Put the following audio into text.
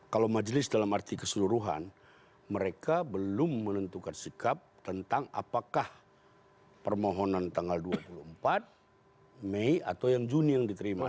kalau majelis dalam arti keseluruhan mereka belum menentukan sikap tentang apakah permohonan tanggal dua puluh empat mei atau yang juni yang diterima